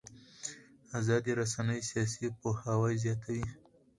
ازادې رسنۍ سیاسي پوهاوی زیاتوي